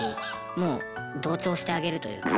もう同調してあげるというか。